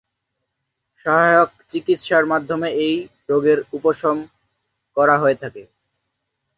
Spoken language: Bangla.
সহায়ক চিকিৎসার মাধ্যমে এই রোগের উপশম করা হয়ে থাকে।